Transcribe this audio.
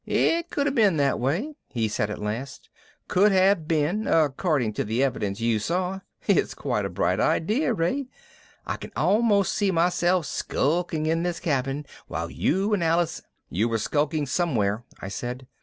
"It could have been that way," he said at last. "Could have been according to the evidence as you saw it. It's quite a bright idea, Ray. I can almost see myself skulking in this cabin, while you and Alice " "You were skulking somewhere," I said.